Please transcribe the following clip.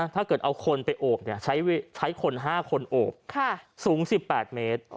ถ้าเกิดเอาคนไปโอบเนี้ยใช้ใช้คนห้าคนโอบค่ะสูงสิบแปดเมตร